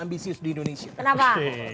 ambisius di indonesia kenapa